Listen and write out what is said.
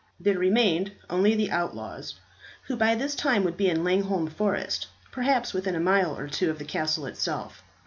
There remained only the outlaws, who by this time would be in Langholm Forest, perhaps within a mile or two of the castle itself.